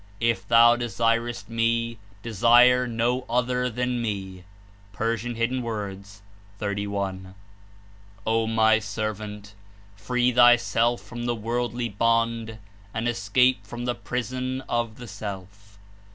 If thou desires t Me, desire no other than Me." (P. 31.) ''O My Servant! Free thyself from the worldly bond, and escape from the prison of the self."